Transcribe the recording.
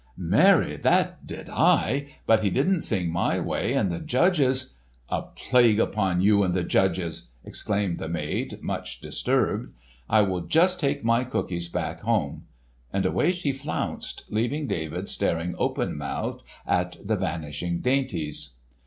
"Marry, that did I. But he didn't sing my way and the judges——" "A plague upon you and the judges!" exclaimed the maid much disturbed. "I will just take my cookies back home." And away she flounced, leaving David staring open mouthed at the vanishing dainties.